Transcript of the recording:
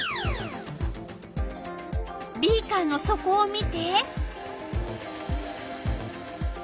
ビーカーのそこを見て。